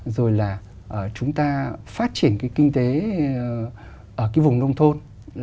rồi là chúng ta phát triển cái kinh tế ở cái vùng nông thôn